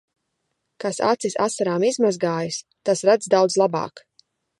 Kas acis asarām izmazgājis, tas redz daudz labāk.